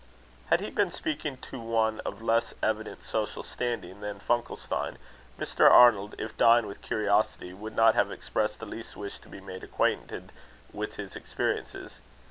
Had he been speaking to one of less evident social standing than Funkelstein, Mr. Arnold, if dying with curiosity, would not have expressed the least wish to be made acquainted with his experiences.